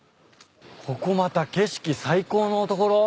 ここまた景色最高の所？